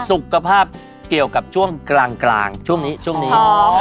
สุขภาพเกี่ยวกับช่วงกลางช่วงนี้ช่วงนี้